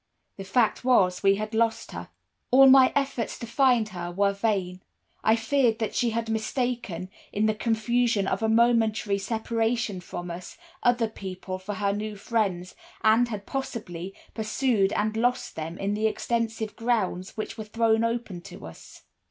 The fact was, we had lost her. "All my efforts to find her were vain. I feared that she had mistaken, in the confusion of a momentary separation from us, other people for her new friends, and had, possibly, pursued and lost them in the extensive grounds which were thrown open to us.